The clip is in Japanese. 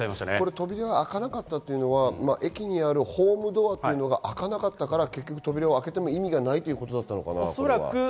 扉が開かなかったのは駅のホームドアが開かなかったから結局、扉を開けても意味がないということだったのかな？